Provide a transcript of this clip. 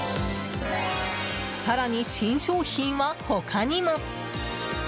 更に、新商品は他にも！